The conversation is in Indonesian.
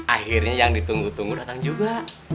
akhirnya yang ditunggu tunggu datang juga